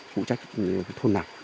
phụ trách thôn nào